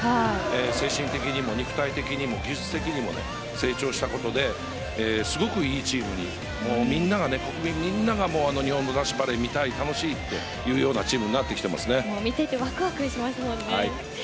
精神的にも肉体的にも技術的にも成長したことですごくいいチームに国民みんなが日本の男子バレーを見たい楽しいって言うような見ていてワクワクしますもんね。